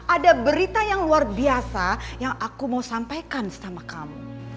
ada berita yang luar biasa yang aku mau sampaikan sama kamu